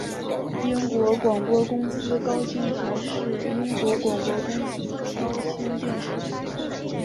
英国广播公司高清台是英国广播公司的高清电视频道。